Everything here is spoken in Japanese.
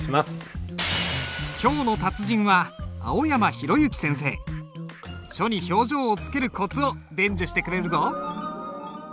今日の達人は書に表情をつけるコツを伝授してくれるぞ。